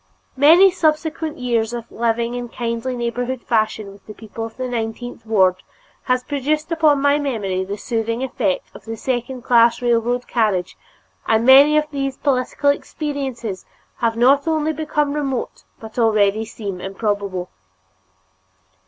Many subsequent years of living in kindly neighborhood fashion with the people of the nineteenth ward has produced upon my memory the soothing effect of the second class railroad carriage and many of these political experiences have not only become remote but already seem improbable.